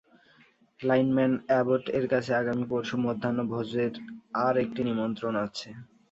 Lyman অ্যাবট-এর কাছে আগামী পরশু মধ্যাহ্ন-ভোজের আর একটি নিমন্ত্রণ আছে।